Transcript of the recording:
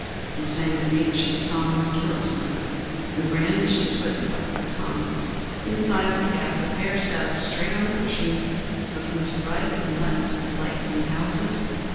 He sang an ancient song of Killisnook and brandished his whip like a baton. Inside the cab the fare sat up straight on the cushions, looking to right and left at the lights and houses.